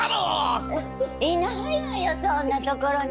いないわよそんな所に。